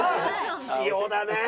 塩だね！